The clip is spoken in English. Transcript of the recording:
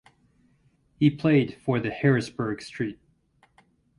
He played for the Harrisburg–St.